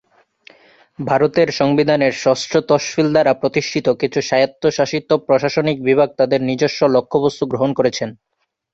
ভারতের সংবিধানের ষষ্ঠ তফসিল দ্বারা প্রতিষ্ঠিত কিছু স্বায়ত্তশাসিত প্রশাসনিক বিভাগ তাদের নিজস্ব লক্ষ্যবস্তু গ্রহণ করেছেন।